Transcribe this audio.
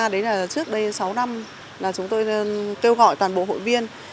đến trước đây sáu năm chúng tôi kêu gọi toàn bộ hội viên